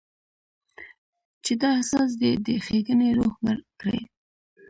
چې دا احساس دې د ښېګڼې روح مړ کړي.